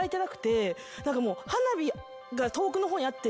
花火が遠くの方にあって。